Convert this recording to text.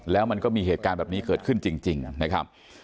แล้วมันก็มีเหตุการณ์แบบนี้เกิดขึ้นจริงนะครับ